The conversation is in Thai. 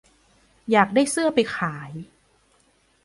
อยากได้เสื้อไปขาย